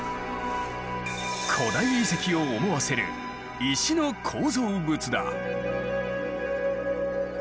古代遺跡を思わせる石の構造物だ。